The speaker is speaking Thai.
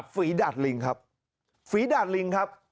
ฝีดัดลิงครับ